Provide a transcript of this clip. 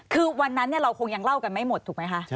คือวันนั้นเราคงยังเล่ากันไม่หมดถูกไหมคะ